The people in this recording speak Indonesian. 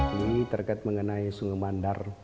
ini terkait mengenai sungai mandar